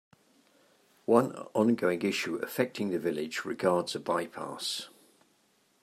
One ongoing issue affecting the village regards a bypass.